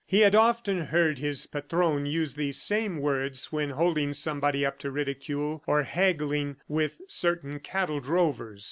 He had often heard his Patron use these same words when holding somebody up to ridicule, or haggling with certain cattle drovers.